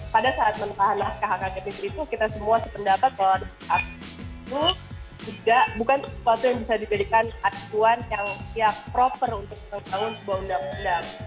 pada saat menentah naskah hkkpt itu kita semua sependapat kalau ada sikap itu bukan sesuatu yang bisa diberikan acuan yang ya proper untuk mengembangun sebuah undang undang